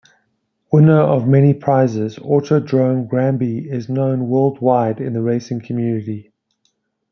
Winner of many prizes Autodrome Granby is known worldwide in the racing community.